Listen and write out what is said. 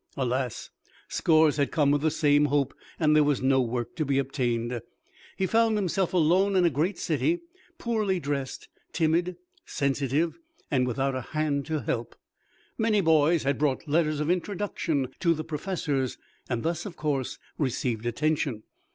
Alas! scores had come with the same hope, and there was no work to be obtained. He found himself alone in a great city, poorly dressed, timid, sensitive, and without a hand to help. Many boys had brought letters of introduction to the professors, and thus of course received attention.